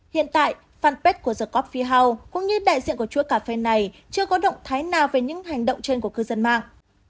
hiện tại fanpage của the coffee house cũng như đại diện của chúa cà phê này chưa có động thái nào về những hành động trên của cư dân mạng